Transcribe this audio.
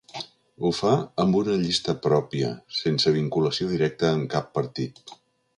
Ho fa amb una llista pròpia, sense vinculació directa amb cap partit.